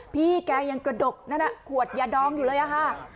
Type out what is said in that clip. พี่แกยังกระดกนั่นขวดยาดองอยู่เลยอะค่ะ